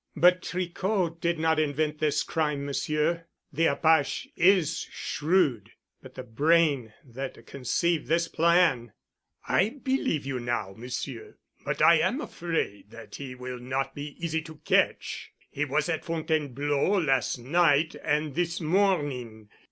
"But Tricot did not invent this crime, Monsieur. The apache is shrewd, but the brain that conceived this plan——" "I believe you now, Monsieur. But I'm afraid that he will not be easy to catch. He was at Fontainebleau last night and this morning.